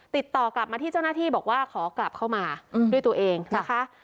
ติดต่อกลับมาที่เจ้าหน้าที่บอกว่าขอกลับเข้ามาด้วยตัวเองนะคะ